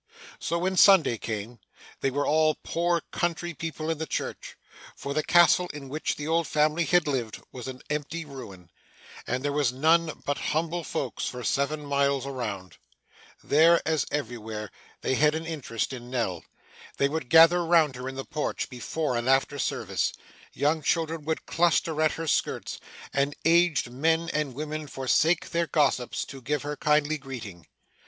So, when Sunday came. They were all poor country people in the church, for the castle in which the old family had lived, was an empty ruin, and there were none but humble folks for seven miles around. There, as elsewhere, they had an interest in Nell. They would gather round her in the porch, before and after service; young children would cluster at her skirts; and aged men and women forsake their gossips, to give her kindly greeting.